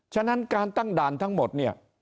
ฉะนั้นการตั้งด่านทั้งหมดเนี่ย